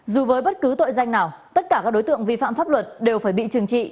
dù với bất cứ tội danh nào tất cả các đối tượng vi phạm pháp luật đều phải bị trừng trị